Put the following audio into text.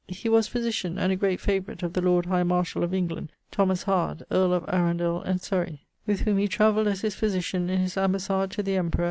He was physitian, and a great favorite of the Lord High Marshall of England, Thomas Howard, earle of Arundel and Surrey, with whom he travelled as his physitian in his ambassade to the Emperor